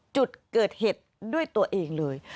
จุดเกิดเหตุด้วยตัวเองเลย